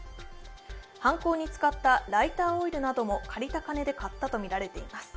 犯行に使ったライターオイルなども借りた金で買ったとみられています。